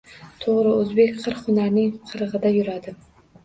To‘g‘ri, o‘zbek qirq hunarning qirida yuradi